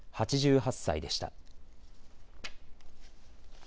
８８歳でした。